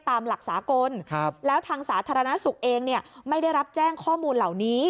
ตามหลักสากลแล้วทางสาธารณสุขเองไม่ได้รับแจ้งข้อมูลเหล่านี้